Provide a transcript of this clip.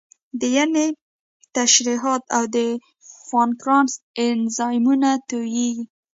د ینې ترشحات او د پانکراس انزایمونه تویېږي.